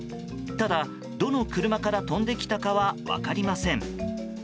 ただ、どの車から飛んできたかは分かりません。